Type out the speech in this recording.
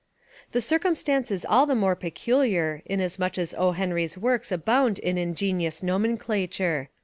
The circumstance is all the more peculiar in asmuch as O. Henry's works abound in ingeni ous nomenclature.